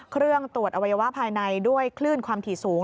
เครื่องตรวจอวัยวะภายในด้วยคลื่นความถี่สูง